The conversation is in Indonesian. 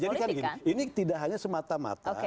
jadi di partai ini kan gini ini tidak hanya semata mata